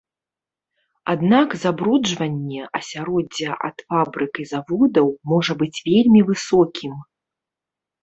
Аднак забруджванне асяроддзя ад фабрык і заводаў можа быць вельмі высокім.